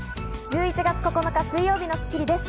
１１月９日、水曜日の『スッキリ』です。